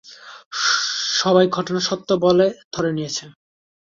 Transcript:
সবাই ঘটনা সত্যি বলে ধরে নিয়েছে।